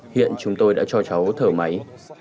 hiện chúng tôi đã cho cháu thở máy